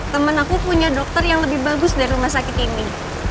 temen aku punya dokter yang lebih bagus dari rumah sakit ini